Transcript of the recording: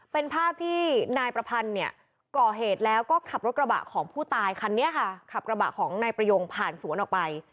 เป็นภาพที่นายประพันธ์เนี่ยก่อเหตุแล้วก็ขับรถกระบะของผู้ตายคันนี้ค่ะขับกระบะของนายประยงผ่านสวนออกไป